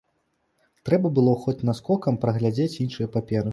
Трэба было хоць наскокам прагледзець іншыя паперы.